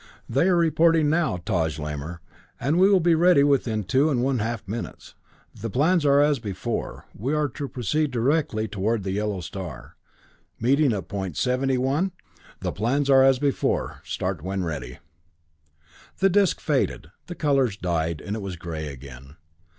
"They are reporting now, Taj Lamor, and we will be ready within two and one half minutes. The plans are as before; we are to proceed directly toward the Yellow Star, meeting at Point 71?" "The plans are as before. Start when ready." The disc faded, the colors died, and it was gray again.